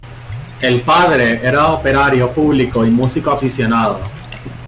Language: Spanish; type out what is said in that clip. El padre era operario público y músico aficionado.